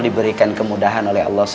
diberikan kemudahan oleh allah sw